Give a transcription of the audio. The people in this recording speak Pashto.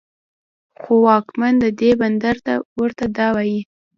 خو واکمن د دې بندر ورته دا وايي